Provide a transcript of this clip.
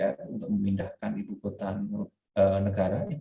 untuk memindahkan ibu kota negara